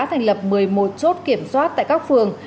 thành lập một mươi một chốt kiểm soát tại các phường